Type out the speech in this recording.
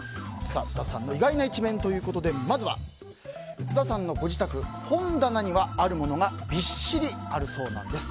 津田さんの意外な一面ということでまずは津田さんのご自宅本棚には、あるものがびっしりあるそうなんです。